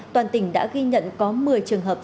toàn tỉnh đã ghi nhận có một mươi trường hợp